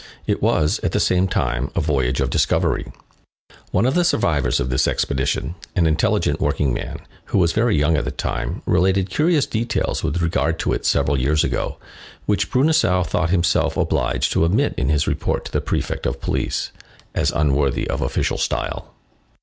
It was, at the same time, a voyage of discovery. One of the survivors of this expedition, an intelligent workingman, who was very young at the time, related curious details with regard to it, several years ago, which Bruneseau thought himself obliged to omit in his report to the prefect of police, as unworthy of official style.